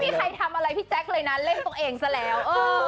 ใครทำอะไรพี่แจ๊คเลยนะเล่นตัวเองซะแล้ว